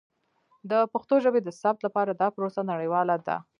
د پښتو ژبې د ثبت لپاره دا پروسه نړیواله ده.